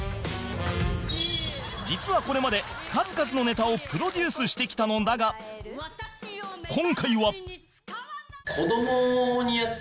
実はこれまで数々のネタをプロデュースしてきたのだが今回は